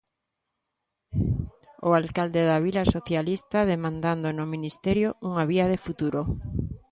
O alcalde da vila, socialista, demandando do Ministerio unha vía de futuro.